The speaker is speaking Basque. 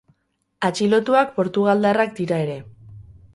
Atxilotuak portugaldarrak dira ere.